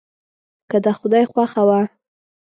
که د خدای خوښه وه.